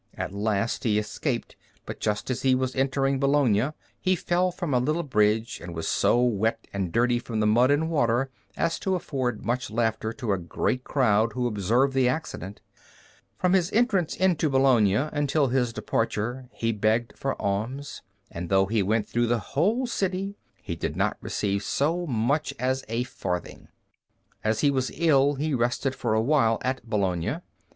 At last he escaped, but just as he was entering Bologna he fell from a little bridge and was so wet and dirty from the mud and water as to afford much laughter to a great crowd who observed the accident. From his entrance into Bologna until his departure he begged for alms, and though he went through the whole city, he did not receive so much as a farthing. As he was ill, he rested for a while at Bologna.